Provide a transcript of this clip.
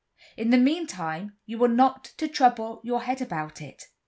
In the meantime you are not to trouble your head about it."